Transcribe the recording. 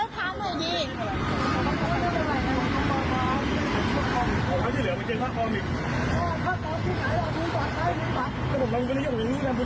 พี่ช่วยพระหน่อยดี